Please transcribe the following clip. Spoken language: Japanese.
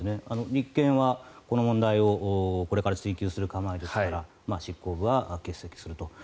立憲はこの問題をこれから追及する構えですから執行部は欠席すると。